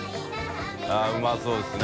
◆舛うまそうですね。